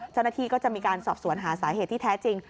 เจ้าหน้าที่ก็จะมีการสอบสวนหาสาเหตุที่แท้จริง